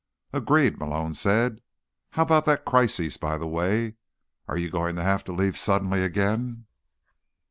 "Agreed," Malone said. "How about that crisis, by the way? Are you going to have to leave suddenly again?"